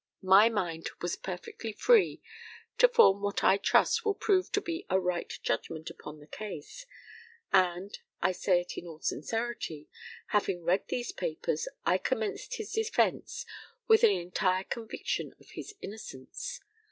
My mind was perfectly free to form what I trust will prove to be a right judgment upon the case, and I say it in all sincerity having read these papers, I commenced his defence with an entire conviction of his innocence.